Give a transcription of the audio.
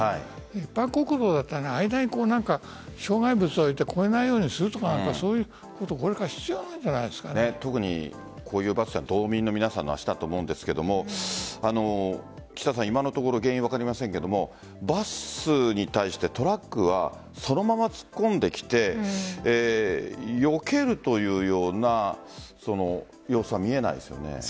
一般国道だって間に障害物を置いて越えないようにするとかそういうこと特にこういうバスは道民の皆さんの足だと思うんですが今のところ原因、分かりませんがバスに対してトラックはそのまま突っ込んできてよけるというような様子は見えないですよね。